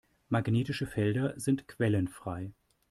Magnetische Felder sind quellenfrei.